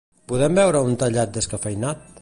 Podem beure un tallat descafeïnat?